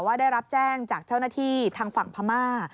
ได้รับแจ้งจากเจ้าหน้าที่ทางฝั่งพม่า